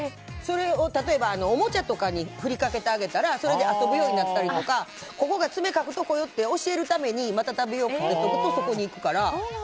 それを例えば、おもちゃとかに振りかけてあげたらそれで遊ぶようになったりとかここが爪かくとこよって教えるためにマタタビをかけておくとそこに行くから。